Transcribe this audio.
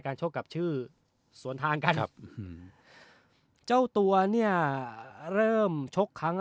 ชกกับชื่อสวนทางกันครับเจ้าตัวเนี่ยเริ่มชกครั้งละ